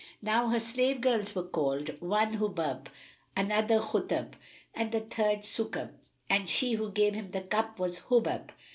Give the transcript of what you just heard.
Now her slave girls were called, one Hubúb, another Khutúb and the third Sukúb,[FN#313] and she who gave him the cup was Hubub.